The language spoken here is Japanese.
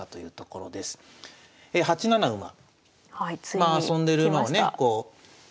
まあ遊んでる馬をねこう。